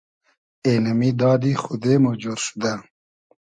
اېنئمی دادی خودې مو جۉر شودۂ